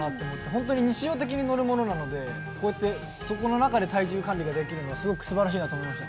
本当に日常的にのるものなので、こうやって、そこの中で体重管理ができるのは、すごくすばらしいなと思いました。